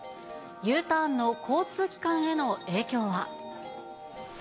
Ｕターンの交通機関への影響は。